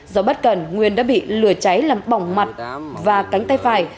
do bất cẩn nguyên đã bị lửa cháy làm bỏng mặt và cánh tay phải